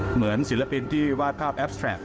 เหมือนศิลปินที่วาดภาพแอบส์แทรก